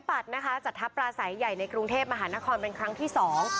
ปัดนะคะจัดทัพปลาสายใหญ่ในกรุงเทพมหานครเป็นครั้งที่สอง